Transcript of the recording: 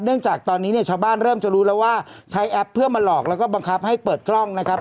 จากตอนนี้เนี่ยชาวบ้านเริ่มจะรู้แล้วว่าใช้แอปเพื่อมาหลอกแล้วก็บังคับให้เปิดกล้องนะครับ